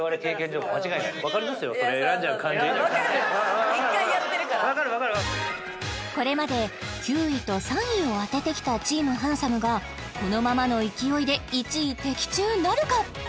そうそうそうわかる１回やってるからこれまで９位と３位を当ててきたチーム・ハンサム！がこのままの勢いで１位的中なるか？